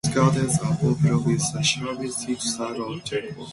Rose gardens are popular with the shabby chic style of decor.